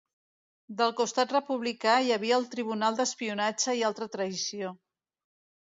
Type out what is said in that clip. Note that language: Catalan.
Del costat republicà hi havia el Tribunal d'Espionatge i Alta Traïció.